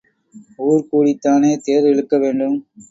ஊர் கூடித்தானே தேர் இழுக்க வேண்டும்?